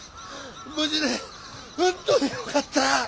無事で本当によかった！